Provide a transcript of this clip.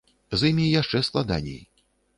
З імі яшчэ складаней.